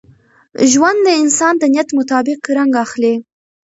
ژوند د انسان د نیت مطابق رنګ اخلي.